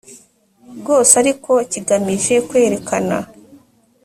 bwose ariko kigamije kwerekana